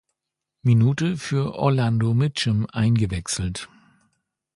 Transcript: Minute für Orlando Mitchum eingewechselt.